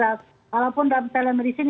walaupun dalam telemedicine